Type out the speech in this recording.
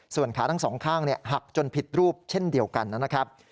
ส่วนขาทั้งสองข้างหักจนผิดรูปเช่นเดียวกันนะครับ